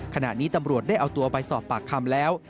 ขณะนี้ตำรวจได้เอาตัวไปสอบปากคำแล้ว